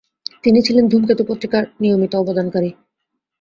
তিনি ছিলেন ধূমকেতু পত্রিকার নিয়মিত অবদানকারী।